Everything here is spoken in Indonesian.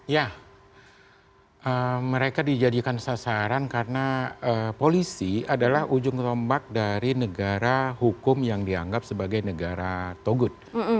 ya mereka dijadikan sasaran karena polisi adalah ujung tombak dari negara hukum yang dianggap sebagai negara togut